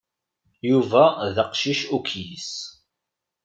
Yuba d aqcic ukyis.